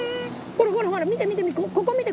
ほらほら見て見て見て。